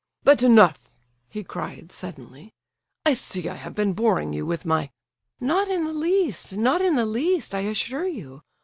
"But enough!" he cried, suddenly. "I see I have been boring you with my—" "Not in the least—not in the least, I assure you.